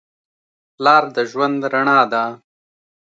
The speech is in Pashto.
پلار د ژوند رڼا ده.